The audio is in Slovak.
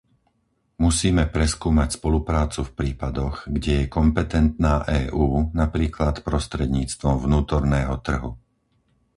Musíme preskúmať spoluprácu v prípadoch, kde je kompetentná EÚ, napríklad prostredníctvom vnútorného trhu.